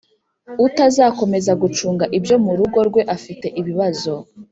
utazakomeza gucunga ibyo mu rugo rwe afite ibibazo